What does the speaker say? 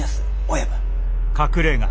親分。